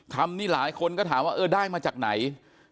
คำนี้หลายคนก็ถามว่าเออได้มาจากไหน